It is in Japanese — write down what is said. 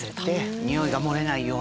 臭いが漏れないように。